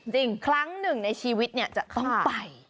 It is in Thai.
ครั้งหนึ่งในชีวิตจะต้องไป